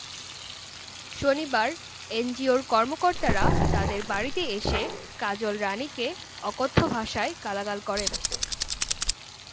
শনিবার এনজিওর কর্মকর্তারা তাঁদের বাড়িতে এসে কাজল রানীকে অকথ্য ভাষায় গালাগাল করেন।